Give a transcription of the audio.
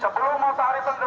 sebelum matahari tergelam